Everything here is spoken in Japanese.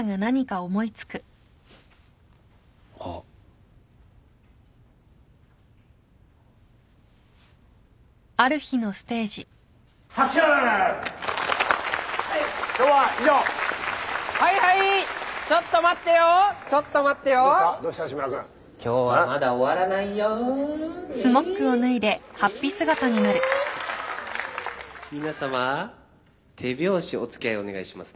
手拍子お付き合いお願いしますね。